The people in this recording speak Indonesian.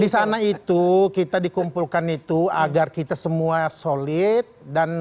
di sana itu kita dikumpulkan itu agar kita semua solid dan